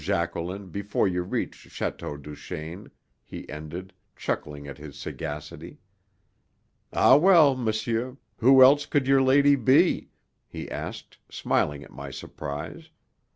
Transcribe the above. Jacqueline before you reach Château Duchaine," he ended, chuckling at his sagacity. "Ah, well, monsieur, who else could your lady be?" he asked, smiling at my surprise.